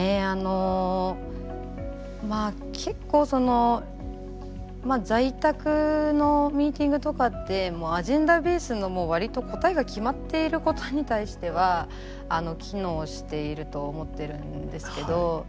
あのまあ結構在宅のミーティングとかってアジェンダベースの割と答えが決まっていることに対しては機能していると思ってるんですけど